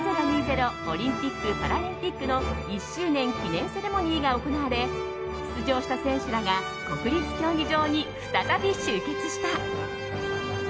オリンピック・パラリンピックの１周年記念セレモニーが行われ出場した選手らが国立競技場に再び集結した。